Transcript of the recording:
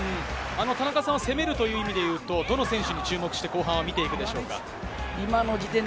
田中さんは攻めるという意味で言うと、どの選手に注目して後半を見ていくでしょうか？